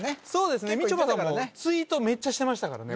そうですねみちょぱさんもツイートめっちゃしてましたからね